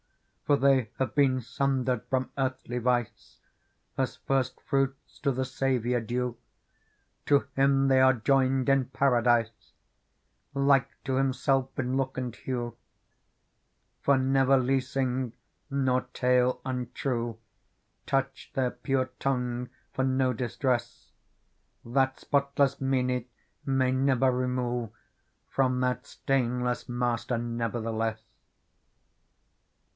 For they have been sundered from earthly vice As first fruits to the Saviour due. To Him they are joined in Paradise, Like to Himself in look and hue : For never leasing nor tale untrue Touched their pure tongue for no distress : That spotless meinie may never remue ^ From that stainless Master never the less."